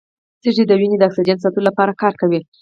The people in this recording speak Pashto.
سږي د وینې د اکسیجن ساتلو لپاره کار کوي.